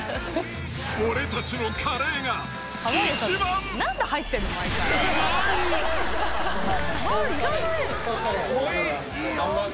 俺たちのカレーが一番うまい！